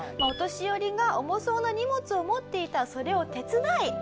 お年寄りが重そうな荷物を持っていたらそれを手伝い